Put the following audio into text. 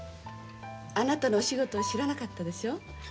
あなたのお仕事を知らなかったでしょ？